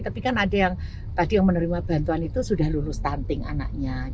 tapi kan ada yang tadi yang menerima bantuan itu sudah lulus stunting anaknya